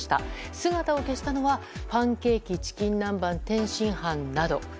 姿を消したのはパンケーキ、チキン南蛮天津飯など。